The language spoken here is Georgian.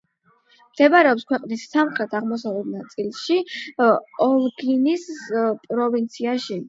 მდებარეობს ქვეყნის სამხრეთ-აღმოსავლეთ ნაწილში, ოლგინის პროვინციაში.